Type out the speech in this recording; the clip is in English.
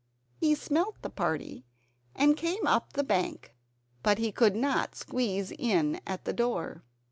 He smelt the party and came up the bank, but he could not squeeze in at the door.